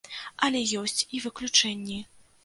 Але ёсць і выключэнні.